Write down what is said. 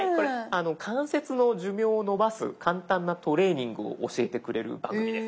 関節の寿命を延ばす簡単なトレーニングを教えてくれる番組です。